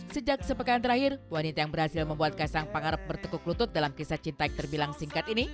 sejak sepekan terakhir wanita yang berhasil membuat kaisang pangarep bertekuk lutut dalam kisah cinta yang terbilang singkat ini